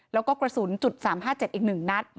แล้วก็กระสุนจุด๓๕๗อีก๑นัด